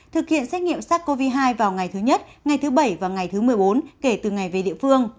thực hiện xét nghiệm sars cov hai vào ngày thứ nhất ngày thứ bảy và ngày thứ một mươi bốn kể từ ngày về địa phương